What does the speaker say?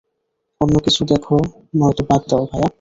অন্য কিছু দেখো নয়তো বাদ দাও, ভায়া।